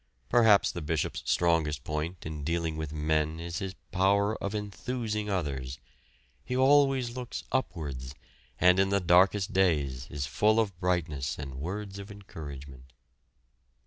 Perhaps the Bishop's strongest point in dealing with men is his power of "enthusing" others. He always looks upwards, and in the darkest days is full of brightness and words of encouragement.